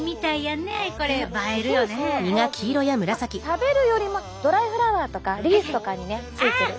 食べるよりもドライフラワーとかリースとかにねついてる。